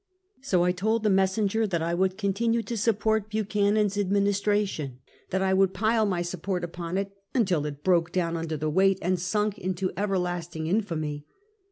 So I told the messenger that I would continue to support Buchanan's administration, that I would pile my support upon it until it broke down under the weight and sunk into everlasting infamy.